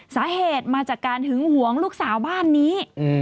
สาเหตุมาจากการหึงหวงลูกสาวบ้านนี้